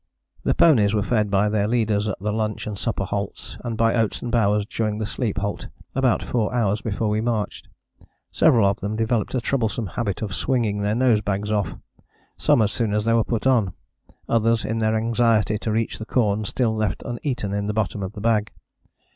The ponies were fed by their leaders at the lunch and supper halts, and by Oates and Bowers during the sleep halt about four hours before we marched. Several of them developed a troublesome habit of swinging their nosebags off, some as soon as they were put on, others in their anxiety to reach the corn still left uneaten in the bottom of the bag.